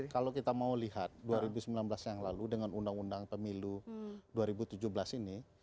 kalau kita mau lihat dua ribu sembilan belas yang lalu dengan undang undang pemilu dua ribu tujuh belas ini